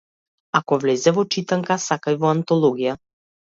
Ако влезе во читанка, сака и во антологија.